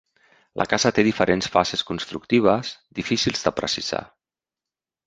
La casa té diferents fases constructives difícils de precisar.